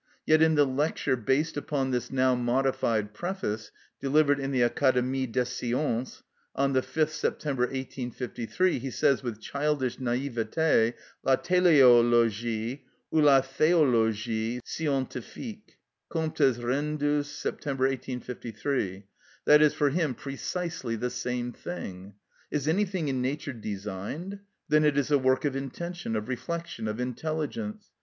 Yet in the lecture based upon this now modified preface, delivered in the Académie des Sciences on the 5th September 1853, he says, with childish naivete: "La téléologie, ou la théologie scientifique" (Comptes Rendus, Sept. 1853), that is for him precisely the same thing! Is anything in nature designed? then it is a work of intention, of reflection, of intelligence.